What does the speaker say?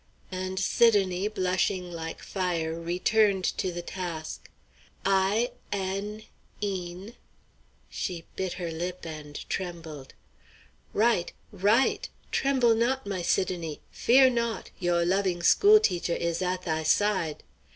And Sidonie, blushing like fire, returned to the task: "I n, een" She bit her lip and trembled. "Right! Right! Tremble not, my Sidonie! fear naught! yo' loving school teacher is at thy side!"